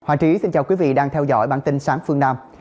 hòa trí xin chào quý vị đang theo dõi bản tin sáng phương nam